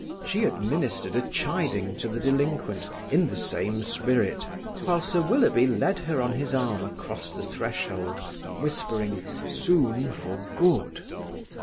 She administered a chiding to the delinquent in the same spirit, while Sir Willoughby led her on his arm across the threshold, whispering: "Soon for good!"